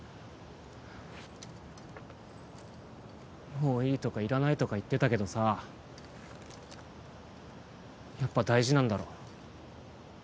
もういいとかいらないとか言ってたけどさやっぱ大事なんだろ？